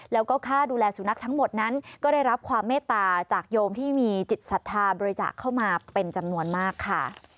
แล้วก็ค่าดูแลสุนัขทั้งหมดนั้นก็ได้รับความเมตตาจากโยมที่มีจิตศรัทธาบริจาคเข้ามาเป็นจำนวนมากค่ะ